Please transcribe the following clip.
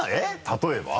例えば？